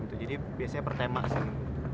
jadi biasanya per tema sih